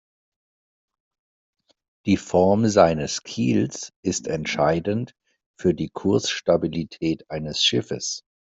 Die Form seines Kiels ist entscheidend für die Kursstabilität eines Schiffes.